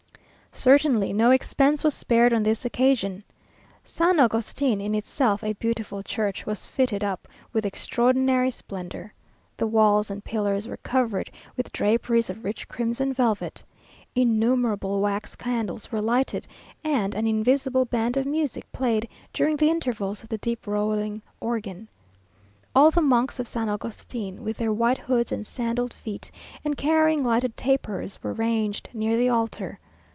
Certainly no expense was spared on this occasion. San Augustin, in itself a beautiful church, was fitted up with extraordinary splendour. The walls and pillars were covered with draperies of rich crimson velvet. Innumerable wax candles were lighted, and an invisible band of music played during the intervals of the deep rolling organ. All the monks of San Augustin, with their white hoods and sandalled feet, and carrying lighted tapers, were ranged near the altar.